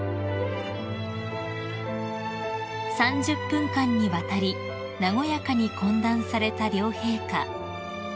［３０分間にわたり和やかに懇談された両陛下］